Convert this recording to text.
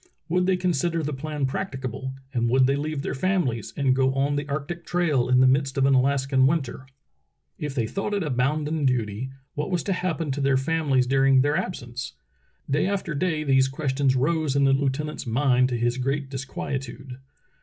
Would they consider the plan practicable, and would they leave their families and go on the arctic trail in the midst of an Alaskan winter ? If they thought it a bounden duty, what was to happen to their families during their absence? Day after day these questions rose in the lieutenant's mind to his great disquietude.